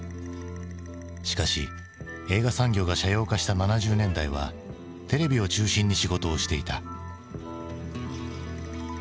しかし映画産業が斜陽化した７０年代はテレビを中心に仕事をしていた。